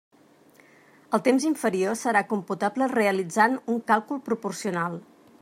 El temps inferior serà computable realitzant un càlcul proporcional.